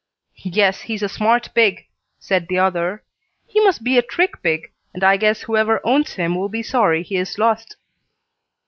"Yes, he's a smart pig," said the other. "He must be a trick pig, and I guess whoever owns him will be sorry he is lost."